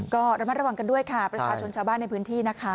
ก็ระมัดระวังกันด้วยค่ะประชาชนชาวบ้านในพื้นที่นะคะ